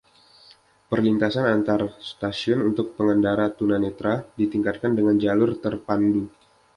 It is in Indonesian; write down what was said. Perlintasan antar stasiun untuk pengendara tunanetra ditingkatkan dengan jalur terpandu.